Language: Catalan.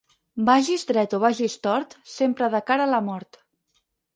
Vagis dret o vagis tort, sempre de cara a la mort.